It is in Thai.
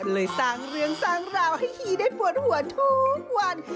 สร้างเรื่องสร้างราวให้ฮีได้ปวดหัวทุกวัน